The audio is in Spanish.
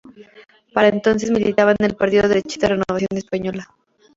Para entonces militaba en el partido derechista Renovación Española.